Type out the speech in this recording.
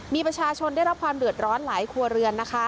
มีประชาชนได้รับความเดือดร้อนหลายครัวเรือนนะคะ